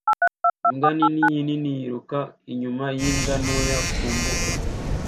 Imbwa nini yinini yiruka inyuma yimbwa ntoya ku mbuga